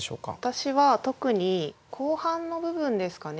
私は特に後半の部分ですかね。